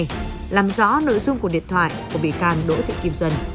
thứ hai làm rõ nội dung của điện thoại của bị can đỗ thị kim duân